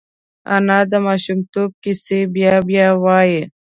انا د ماشومتوب کیسې بیا بیا وايي